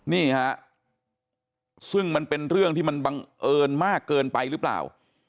นี่ฮะซึ่งมันเป็นเรื่องที่มันบังเอิญมากเกินไปหรือเปล่า